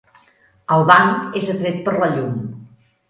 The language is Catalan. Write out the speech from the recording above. El banc és atret per la llum.